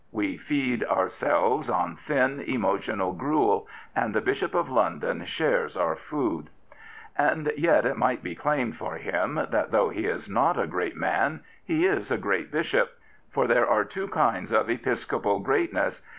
We feed ourselves on thin, emotional gruel, and the Bishop of London shares our food. And yet it might be claimed for him that though he is not a great man, he is a great Bishop. For there are two kinds of episcopal greatness.